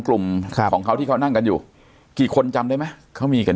กลุ่มครับของเขาที่เขานั่งกันอยู่กี่คนจำได้ไหมเขามีกัน